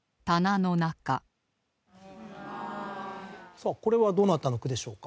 さあこれはどなたの句でしょうか？